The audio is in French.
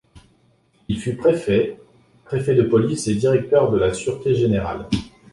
Il fut préfet, préfet de police et directeur de la sûreté générale.